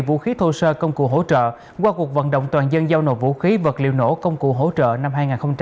vũ khí thô sơ công cụ hỗ trợ qua cuộc vận động toàn dân giao nộp vũ khí vật liệu nổ công cụ hỗ trợ năm hai nghìn hai mươi ba